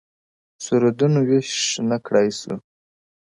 سردونو ویښ نه کړای سو~